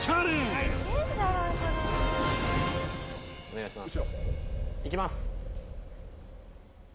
お願いします